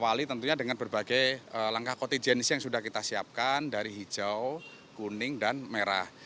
jadi tentunya dengan berbagai langkah kotijenis yang sudah kita siapkan dari hijau kuning dan merah